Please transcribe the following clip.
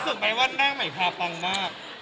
รู้สึกไหมว่าหน้าใหม่พาปังมาก